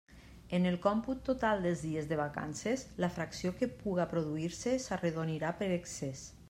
En el còmput total dels dies de vacances, la fracció que puga produir-se s'arredonirà per excés.